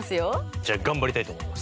じゃあ頑張りたいと思います。